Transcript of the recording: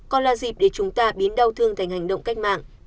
còn là dịp để chúng ta biến đau thương thành hành động cách mạng